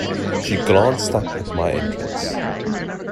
She glanced up at my entrance.